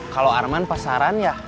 kalau arman pasaran ya